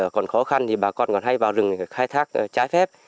còn khó khăn thì bà con còn hay vào rừng để khai thác trái phép